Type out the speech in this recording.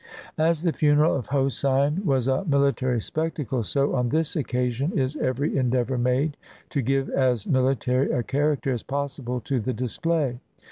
As the funeral of Hosein was a military' spectacle, so, on this occasion, is every endeavor made to give as mili tary a character as possible to the display.